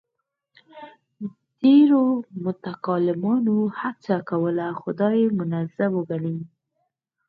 ډېرو متکلمانو هڅه کوله خدای منزه وګڼي.